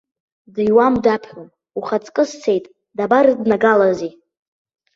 Дыҩуам, даԥхьом, ухаҵкы сцеит, дабарыднагалеи?!